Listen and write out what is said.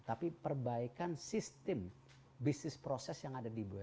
tapi perbaikan sistem bisnis proses yang ada di bumn